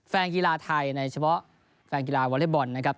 แฟนกีฬาไทยในเฉพาะแฟนกีฬาวอเล็กบอลนะครับ